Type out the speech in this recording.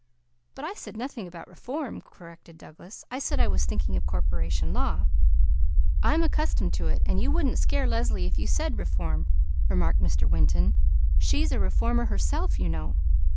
"But I said nothing about reform," corrected Douglas. "I said I was thinking of corporation law." "I'm accustomed to it; while you wouldn't scare Leslie if you said 'reform,'" remarked Mr. Winton. "She's a reformer herself, you know."